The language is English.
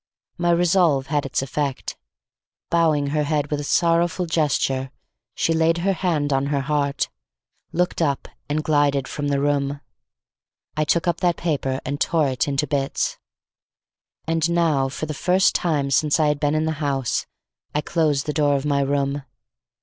My resolve had its effect. Bowing her head with a sorrowful gesture, she laid her hand on her heart, looked up and glided from the room. I took up that paper and tore it into bits. And now for the first time since I had been in the house, I closed the door of my room.